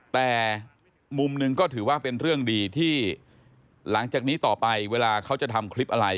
แต่มุมหนึ่งก็ถือว่าเป็นเรื่องดีที่หลังจากนี้ต่อไปเวลาเขาจะทำคลิปอะไร